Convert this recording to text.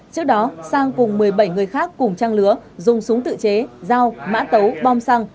trước đó sang cùng một mươi bảy người khác cùng trang lứa dùng súng tự chế dao mã tấu bom xăng